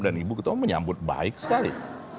dan ibu ketua umum menyambut baik sekali